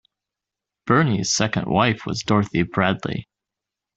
Bernie's second wife was Dorothy Bradley.